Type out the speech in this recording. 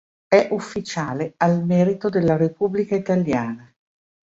È Ufficiale al merito della Repubblica Italiana.